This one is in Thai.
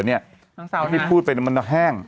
น้องเศร้านะน้องเศร้าน้ำสมมุตรพี่พูดไปมันแห้ง